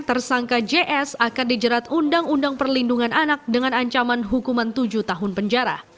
tersangka js akan dijerat undang undang perlindungan anak dengan ancaman hukuman tujuh tahun penjara